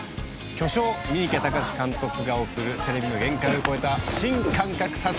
巨匠三池崇史監督が贈るテレビの限界を超えた新感覚サスペンスドラマです。